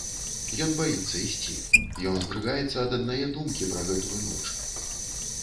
Ён баіцца ісці, ён здрыгаецца ад аднае думкі пра гэтую ноч.